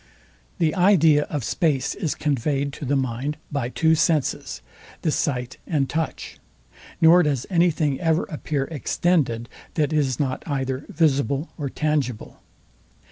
The idea of space is conveyed to the mind by two senses, the sight and touch; nor does anything ever appear extended, that is not either visible or tangible.